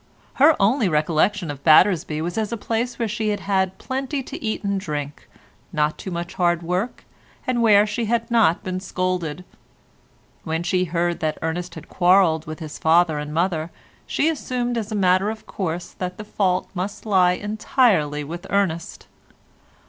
Her only recollection of Battersby was as of a place where she had had plenty to eat and drink, not too much hard work, and where she had not been scolded. When she heard that Ernest had quarrelled with his father and mother she assumed as a matter of course that the fault must lie entirely with Ernest.